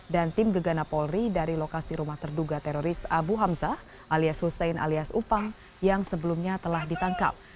dan tim gegana polri dari lokasi rumah terduga teroris abu hamzah alias hussein alias upang yang sebelumnya telah ditangkap